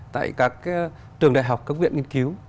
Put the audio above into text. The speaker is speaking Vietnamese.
tại các trường đại học các viện nghiên cứu